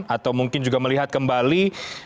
atau mungkin juga melihat kembali